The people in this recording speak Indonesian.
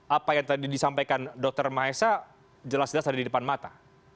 apa yang tadi disampaikan dr mahesa jelas jelas ada di depan mata